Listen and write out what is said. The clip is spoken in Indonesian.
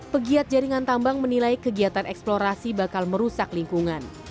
pegiat jaringan tambang menilai kegiatan eksplorasi bakal merusak lingkungan